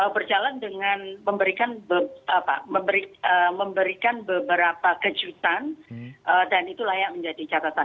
berjalan dengan memberikan beberapa kejutan dan itu layak menjadi catatan